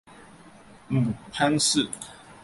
母潘氏。